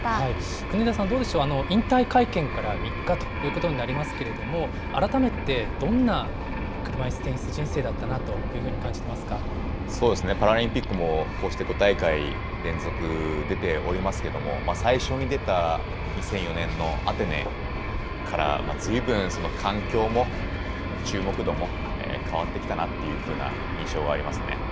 国枝さん、どうでしょう、引退会見から３日ということになりますけれども、改めて、どんな車いすテニス人生だったなと感じてそうですね、パラリンピックもこうして５大会連続、出ておりますけれども、最初に出た２００４年のアテネからずいぶん環境も、注目度も変わってきたなっていうふうな印象はありますね。